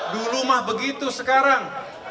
dulu mah begitu sekarang